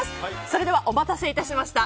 それではお待たせ致しました。